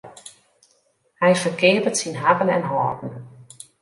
Hy ferkeapet syn hawwen en hâlden.